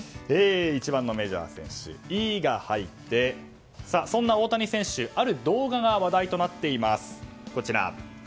一番のメジャー選手「イ」が入ってそんな大谷選手ある動画が話題となっています。